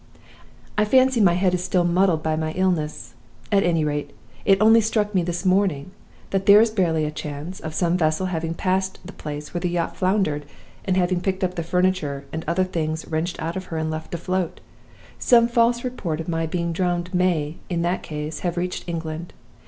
"I fancy my head is still muddled by my illness. At any rate, it only struck me this morning that there is barely a chance of some vessel having passed the place where the yacht foundered, and having picked up the furniture, and other things wrenched out of her and left to float. Some false report of my being drowned may, in that case, have reached England.